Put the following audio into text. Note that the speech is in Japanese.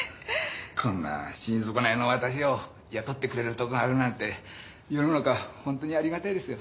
こんな死にぞこないの私を雇ってくれるところがあるなんて世の中ホントにありがたいですよ。